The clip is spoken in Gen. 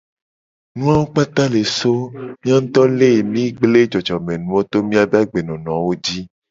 Enu wawo kpata le so mia nguto leke mi le gble jojomenuwo to miabe agbenonowo ji.